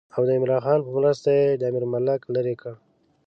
او د عمرا خان په مرسته یې امیرالملک لرې کړ.